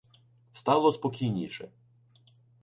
Стало спокійніше.